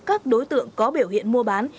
các đối tượng có biểu hiện mua bán